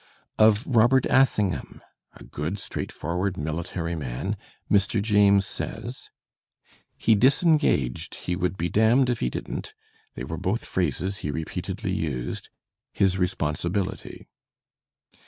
Of Robert Assingham, a good straightforward military man, Mr. James says, "He disengaged, he would be damned if he didn't — they were both phrases he repeatedly used — his responsibility."